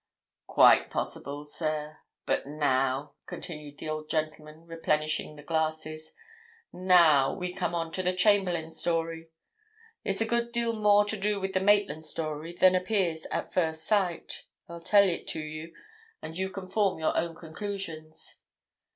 "Quite possible, sir. But now," continued the old gentleman, replenishing the glasses, "now we come on to the Chamberlayne story. It's a good deal more to do with the Maitland story than appears at first sight, I'll tell it to you and you can form your own conclusions.